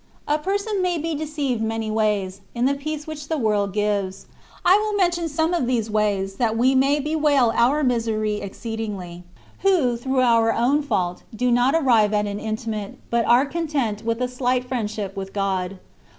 A person may be deceived many ways, in the peace which the world gives. I will mention" some of these ways, that we may bewail our misery exceedingly, who through our own fault do not arrive at an intimate, but are content with a 238 CONCEPTIONS OF DIVINE LOVE. slight friendship with God.